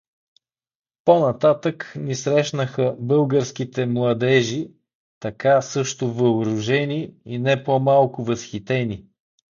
По-нататък ни срещнаха българските младе-жи, така също въоружени и не по-малко възхитени.